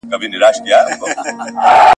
ډېرې یخې اوبه مه څښئ.